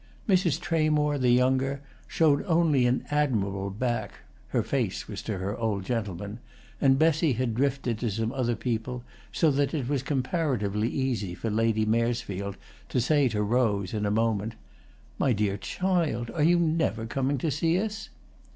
Mrs. Tramore the younger showed only an admirable back—her face was to her old gentleman—and Bessie had drifted to some other people; so that it was comparatively easy for Lady Maresfield to say to Rose, in a moment: "My dear child, are you never coming to see us?"